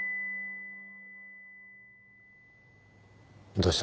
どうした？